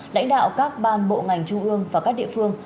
lãnh đạo các ban bộ ngành trung ương và các địa phương